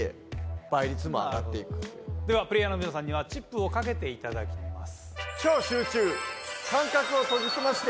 ではプレーヤーの皆さんにはチップを賭けていただきます。